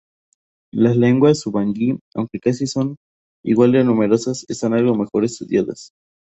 Las lenguas Ubangui, aunque son casi igual de numerosas, están algo mejor estudiadas.